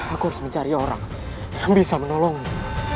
aku harus mencari orang yang bisa menolongmu